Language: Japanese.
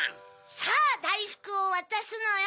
さぁだいふくをわたすのよ。